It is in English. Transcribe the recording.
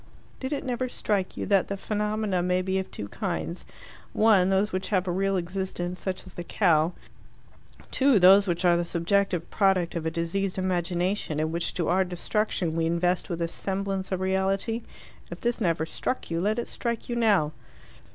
"Did it never strike you that phenomena may be of two kinds: ONE, those which have a real existence, such as the cow; TWO, those which are the subjective product of a diseased imagination, and which, to our destruction, we invest with the semblance of reality? If this never struck you, let it strike you now."